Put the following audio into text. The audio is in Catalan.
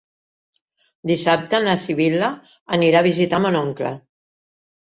Dissabte na Sibil·la anirà a visitar mon oncle.